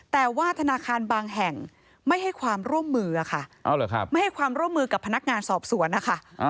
แต่ว่าธนาคารบางแห่งไม่ให้ความร่วมมือกับพนักงานสอบสวนนะคะ